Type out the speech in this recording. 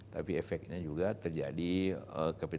tapi efeknya juga terjadi karena kita tidak mengurus ekonomi negara lain